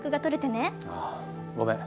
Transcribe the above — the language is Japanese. ああごめん。